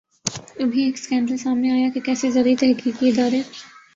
ابھی ایک سکینڈل سامنے آیا کہ کیسے زرعی تحقیقی ادارے